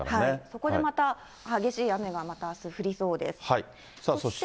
そこでまた激しい雨がまた降りそうです。